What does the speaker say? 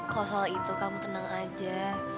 kalau soal itu kamu tenang aja